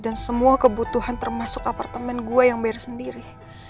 dan semua kebutuhan termasuk apartemen gue yang bayar sendiri